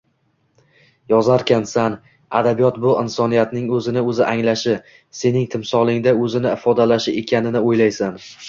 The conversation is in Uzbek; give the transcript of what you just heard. Yozarkansan, adabiyot bu insoniyatning oʻzini oʻzi anglashi, sening timsolingda oʻzini ifodalashi ekanini oʻylaysan